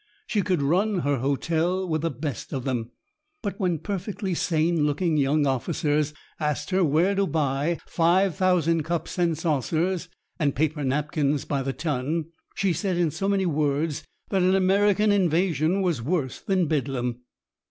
She could run her hotel with the best of them, but when perfectly sane looking young officers asked her where to buy five thousand cups and saucers, and paper napkins by the ton, she said in so many words that an American invasion was worse than bedlam.